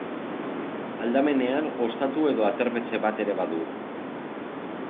Aldamenean ostatu edo aterpetxe bat ere badu.